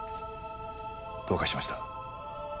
どうかしました？